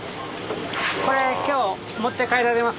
これ今日持って帰られますか？